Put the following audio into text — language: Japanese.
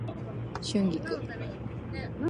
春菊